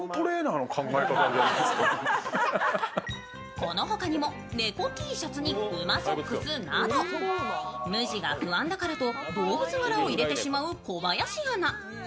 このほかにも猫Ｔシャツに馬ソックスなど無地が不安だからと、動物柄を入れてしまう小林アナ。